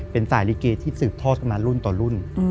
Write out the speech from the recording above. เป็นสายลิเกที่สืบทอดกันมารุ่นต่อรุ่น